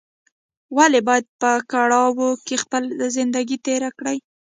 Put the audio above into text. ولې باید په کړاوو کې خپله زندګي تېره کړې